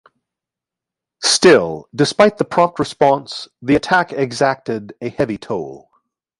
Still, despite the prompt response, the attack exacted a heavy toll.